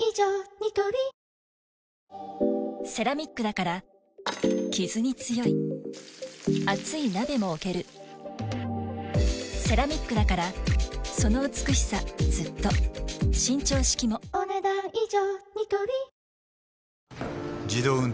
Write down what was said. ニトリセラミックだからキズに強い熱い鍋も置けるセラミックだからその美しさずっと伸長式もお、ねだん以上。